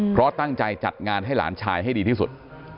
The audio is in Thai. เพราะตั้งใจจัดงานให้หลานชายให้ดีที่สุด